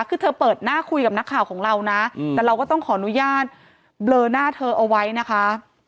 คือเธอเปิดหน้าคุยกับนักข่าวของเรานะแต่เราก็ต้องขออนุญาตเบลอหน้าเธอเอาไว้นะคะ